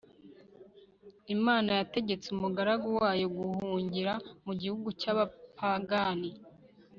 Imana yategetse umugaragu wayo guhungira mu gihugu cyabapagani